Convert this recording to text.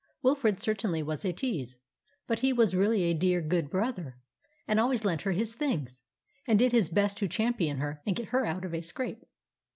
Wilfrid certainly was a tease, but he was really a dear good brother, and always lent her his things, and did his best to champion her and get her out of a scrape.